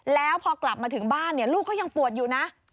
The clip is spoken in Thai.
แล้วพอกลับมาถึงบ้านลูกก็ยังปวดอยู่นะ